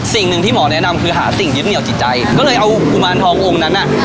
สิ่งหนึ่งที่หมอแนะนำคือหาสิ่งยึดเหนียวจิตใจก็เลยเอากุมารทององค์นั้นอ่ะ